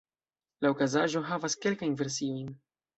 La okazaĵo havas kelkajn versiojn.